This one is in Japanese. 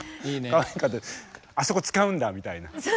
あそこ使うんだみたいな。